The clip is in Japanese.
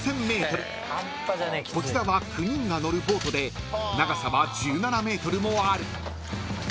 ［こちらは９人が乗るボートで長さは１７ｍもある］